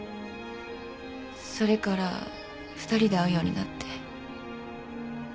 それから２人で会うようになって。